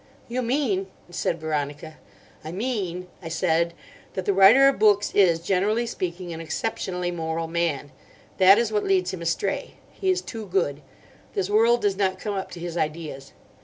"You mean—" said Veronica. "I mean," I said, "that the writer of books is, generally speaking, an exceptionally moral man. That is what leads him astray: he is too good. This world does not come up to his ideas.